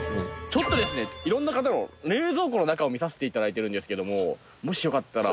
ちょっとですね色んな方の冷蔵庫の中を見させて頂いてるんですけどももしよかったら。